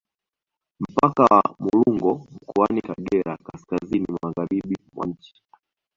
Mpaka wa Mulongo mkoani Kagera kaskazini magharibi mwa nchi